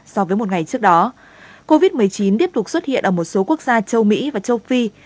so với một ngày trước đó covid một mươi chín tiếp tục xuất hiện ở một số quốc gia châu mỹ và châu phi